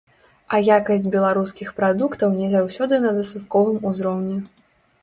А якасць беларускіх прадуктаў не заўсёды на дастатковым узроўні.